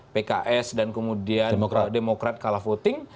pks dan kemudian demokrat kalah voting